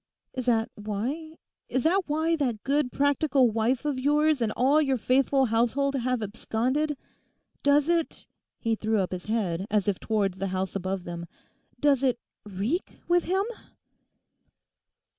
Is that why—is that why that good, practical wife of yours and all your faithful household have absconded? Does it'—he threw up his head as if towards the house above them—'does it reek with him?